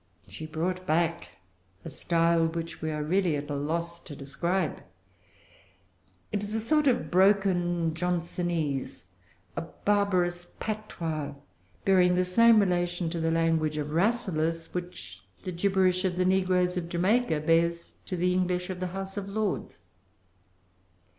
She brought back a style which we are really at a loss to describe. It is a sort of broken Johnsonese, a barbarous patois, bearing the same relation to the language of Rasselas, which the gibberish of the negroes of Jamaica bears to the English of the House of Lords.